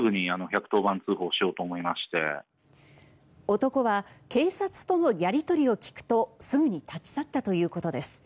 男は警察とのやり取りを聞くとすぐに立ち去ったということです。